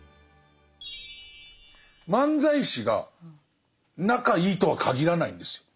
漫才師が仲いいとはかぎらないんですよ。